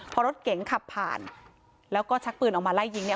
พอรถเก๋งขับผ่านแล้วก็ชักปืนออกมาไล่ยิงเนี่ย